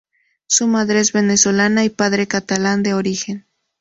Su madre es venezolana y padre catalán de origen.